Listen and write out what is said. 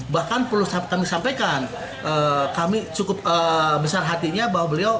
bahkan perlu kami sampaikan kami cukup besar hatinya bahwa beliau